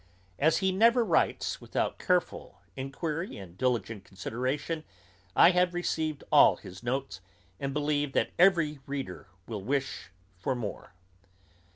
As he never writes without careful enquiry and diligent consideration, I have received all his notes, and believe that every reader will wish for more.